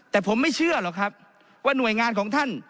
แต่ผมไม่เชื่อหรอกครับว่าหน่วยงานของท่าน